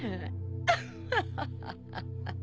アハハハハ。